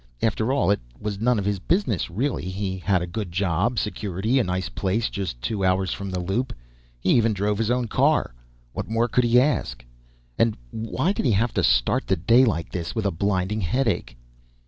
After all, it was none of his business, really. He had a good job, security, a nice place just two hours from the Loop. He even drove his own car. What more could he ask? And why did he have to start the day like this, with a blinding headache?